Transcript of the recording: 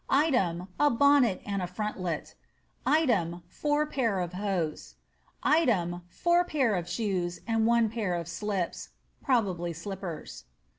Item, a bonnet and a frontlet Item, four pair of hose. Item, four pair of shoes and one pair of slips" • (probably slippers.)